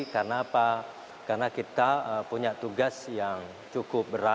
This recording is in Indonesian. karena kita punya tugas yang cukup berat